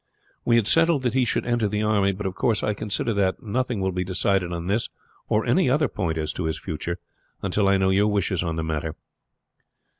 "We had settled that he should enter the army; but of course I consider that nothing will be decided on this or any other point as to his future until I know your wishes on the matter.